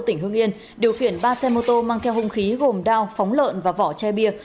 tỉnh hương yên điều khiển ba xe mô tô mang keo hông khí gồm đao phóng lợn và vỏ che bia